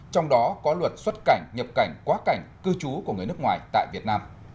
trong đó có luật xuất cảnh nhập cảnh quá cảnh cư trú của người nước ngoài tại việt nam